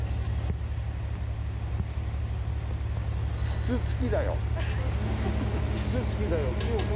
キツツキだよ。